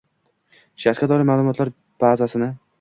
Shaxsga doir ma’lumotlar bazasini